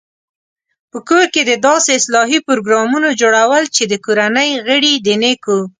په کور کې د داسې اصلاحي پروګرامونو جوړول چې د کورنۍ غړي د نېکو